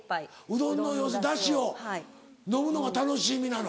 うどんのダシを飲むのが楽しみなの？